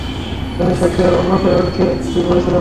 জানিস, এক দেয়াল অন্য দেয়ালকে কী বলেছিল?